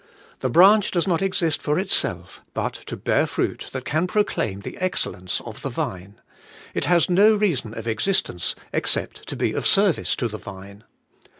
The branch does not exist for itself, but to bear fruit that can proclaim the excellence of the vine: it has no reason of existence except to be of service to the vine.